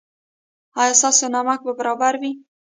ایا ستاسو نمک به برابر وي؟